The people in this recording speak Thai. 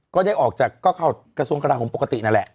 ก็ได้ออกจากก็เข้ากระทรวงกระหมปกตินั่นแหละ